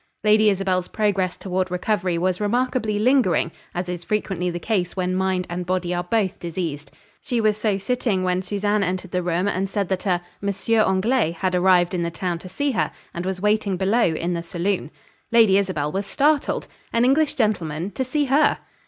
Lady Isabel's progress toward recovery was remarkably lingering, as is frequently the case when mind and body are both diseased. She was so sitting when Susanne entered the room, and said that a "Monsieur Anglais" had arrived in the town to see her, and was waiting below, in the saloon. Lady Isabel was startled. An English gentleman to see her!